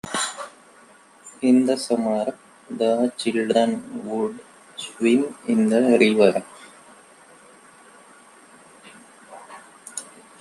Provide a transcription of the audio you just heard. In the summer the children would swim in the river.